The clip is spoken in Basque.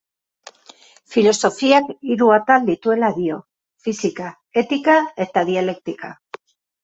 Filosofiak hiru atal dituela dio: fisika, etika eta dialektika.